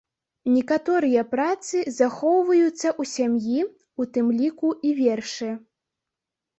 Некаторыя працы захоўваюцца ў сям'і, у тым ліку і вершы.